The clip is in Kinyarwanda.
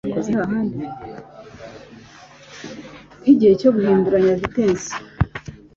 nk igihe cyo guhinduranya vitesi